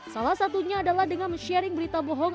salah satunya adalah dengan sharing berita bohong